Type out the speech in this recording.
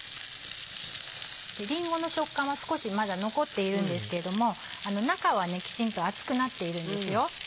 りんごの食感は少しまだ残っているんですけれども中はきちんと熱くなっているんですよ。